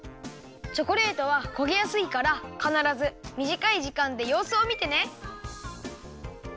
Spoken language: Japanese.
チョコレートはこげやすいからかならずみじかいじかんでようすをみてね！